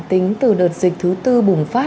tính từ đợt dịch thứ tư bùng phát